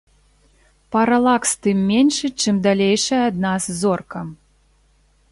Паралакс тым меншы, чым далейшая ад нас зорка.